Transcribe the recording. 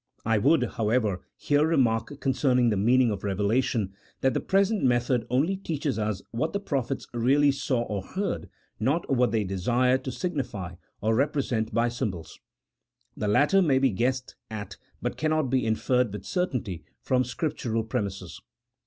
I would, however, here re mark concerning the meaning of revelation, that the present method only teaches us what the prophets really saw or heard, not what they desired to signify or represent by symbols. The latter may be guessed at but cannot be in ferred with certainty from Scriptural premises.